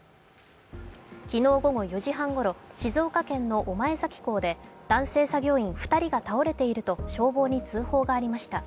昨日午後４時半ごろ、静岡県の御前崎港で男性作業員２人が倒れていると消防に通報がありました。